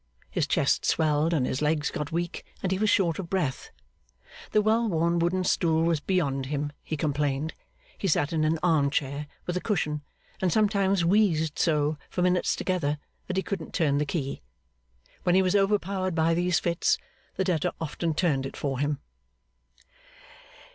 His chest swelled, and his legs got weak, and he was short of breath. The well worn wooden stool was 'beyond him,' he complained. He sat in an arm chair with a cushion, and sometimes wheezed so, for minutes together, that he couldn't turn the key. When he was overpowered by these fits, the debtor often turned it for him.